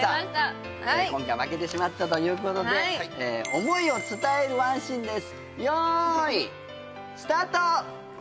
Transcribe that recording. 今回負けてしまったということで想いを伝えるワンシーンです